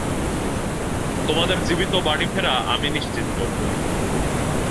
তোমাদের জীবিত বাড়ি ফেরা আমি নিশ্চিত করবো।